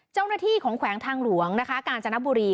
เจ้าหน้าที่ของแขวงทางหลวงนะคะกาญจนบุรี